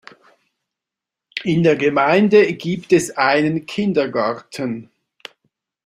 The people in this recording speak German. In der Gemeinde gibt es einen Kindergarten.